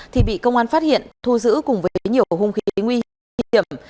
thì bị công an phát hiện thu giữ cùng với nhiều hung khí nguy hiểm